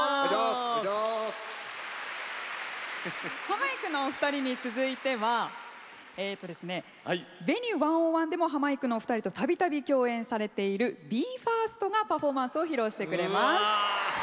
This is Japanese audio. ハマいくのお二人に続いては「Ｖｅｎｕｅ１０１」でもハマいくのお二人とたびたび共演されているＢＥ：ＦＩＲＳＴがパフォーマンスを披露してくれます。